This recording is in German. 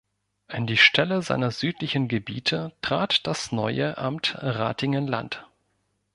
An die Stelle seiner südlichen Gebiete trat das neue "Amt Ratingen-Land.